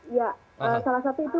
iya salah satu itu bisa terdapat pilihan